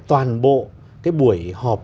toàn bộ cái buổi họp